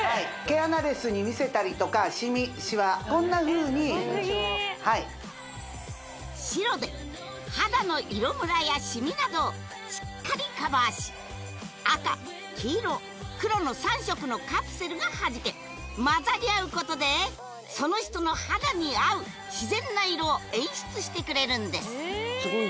毛穴レスに見せたりとかシミシワこんなふうに白で肌の色むらやシミなどをしっかりカバーし赤黄色黒の３色のカプセルがはじけ混ざり合うことでその人の肌に合う自然な色を演出してくれるんです